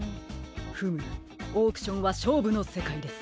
フムオークションはしょうぶのせかいです。